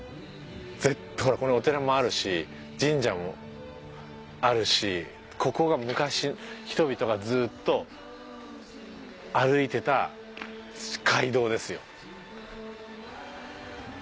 ほらここにお寺もあるし神社もあるしここが昔人々がずっと歩いてた街道ですよ。